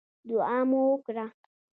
دعا مو وکړه.